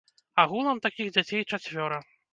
Агулам такіх дзяцей чацвёра.